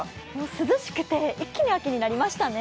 涼しくて、一気に秋になりましたね。